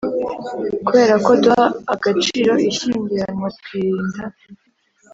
Kubera ko duha agaciro ishyingiranwa twirinda